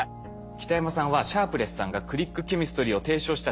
北山さんはシャープレスさんがクリックケミストリーを提唱した